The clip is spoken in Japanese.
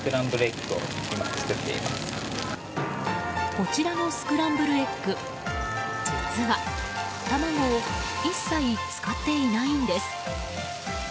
こちらのスクランブルエッグ実は卵を一切使っていないんです。